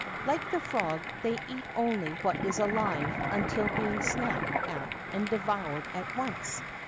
Like the frog, they eat only what is alive until being snapped at and devoured at once.